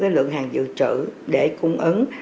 lượng hàng dự trữ để cung ứng